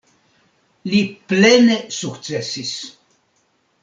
Li plene sukcesis.